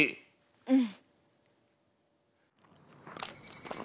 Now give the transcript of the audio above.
うん。